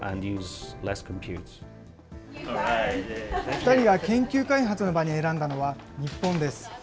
２人が研究開発の場に選んだのは日本です。